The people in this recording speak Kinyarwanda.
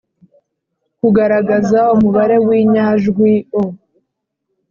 -kugaragaza umubare w’inyajwi o,